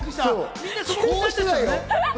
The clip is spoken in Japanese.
こうしてないよ。